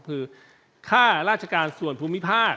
คือค่าราชการส่วนภูมิภาค